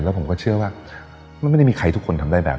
แล้วผมก็เชื่อว่ามันไม่ได้มีใครทุกคนทำได้แบบ